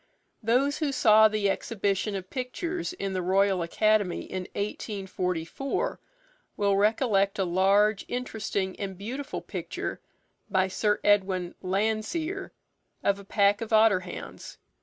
Those who saw the exhibition of pictures in the Royal Academy in 1844 will recollect a large, interesting, and beautiful picture by Sir Edwin Landseer of a pack of otter hounds.